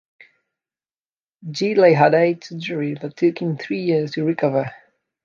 Gidley had eight surgeries that took him three years to recover.